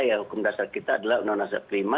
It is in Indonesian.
yang hukum dasar kita adalah undang undang kelima